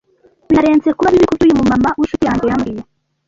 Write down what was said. binarenze kuba bibi ku by’uyu mu mama w’inshuti yanjye yambwiye.